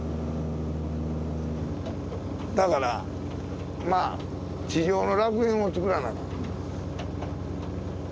だからまあ地上の楽園をつくらなあかん。